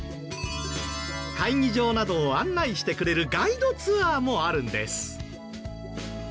会議場などを案内してくれるガイドツアーもあるんです。